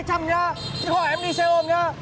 chị hỏi em đi xe hồn nha